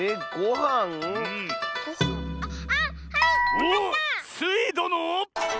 おっスイどの。